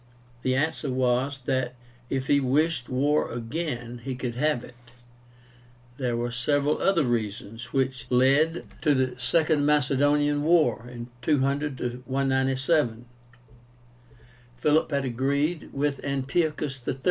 The answer was, that, if he wished war again, he could have it. There were several other reasons which led to the SECOND MACEDONIAN WAR (200 197). Philip had agreed with ANTIOCHUS III.